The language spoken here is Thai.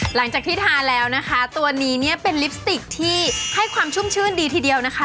หลังจากที่ทานแล้วนะคะตัวนี้เนี่ยเป็นลิปสติกที่ให้ความชุ่มชื่นดีทีเดียวนะคะ